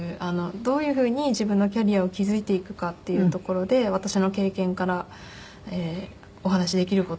どういうふうに自分のキャリアを築いていくかっていうところで私の経験からお話しできる事を伝えているんですけど。